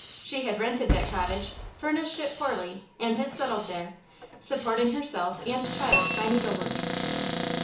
She had rented that cottage, furnished it poorly and had settled there, supporting herself and child by needlework.